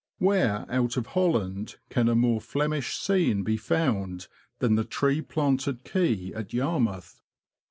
Where out of Holland can a more Flemish scene be found than the tree planted Quay at Yarmouth